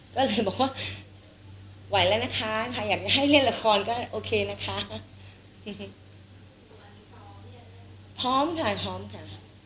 ก็เลยบอกว่าไหวแล้วนะคะอยากให้เล่นละครก็โอเคนะคะ